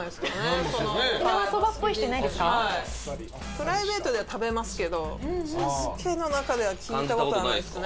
プライベートでは食べますけどバスケの中では。感じた事ないですか？